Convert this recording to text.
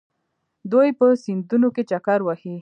دوی په سیندونو کې چکر وهي.